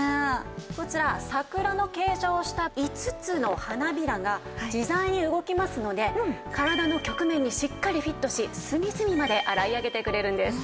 こちら桜の形状をした５つの花びらが自在に動きますので体の曲面にしっかりフィットし隅々まで洗い上げてくれるんです。